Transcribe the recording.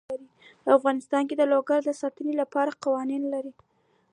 افغانستان د لوگر د ساتنې لپاره قوانین لري.